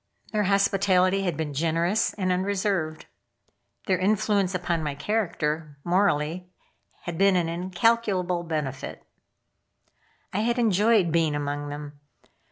Their hospitality had been generous and unreserved. Their influence upon my character morally had been an incalculable benefit. I had enjoyed being among them.